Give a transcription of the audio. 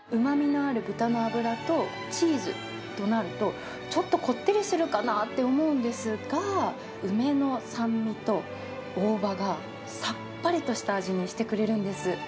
うまみのある豚の脂と、チーズとなると、ちょっとこってりするかなと思うんですが、梅の酸味と大葉がさっぱりとした味にしてくれるんです。